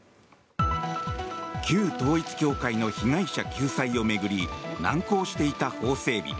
旧統一教会の被害者救済を巡り難航していた法整備。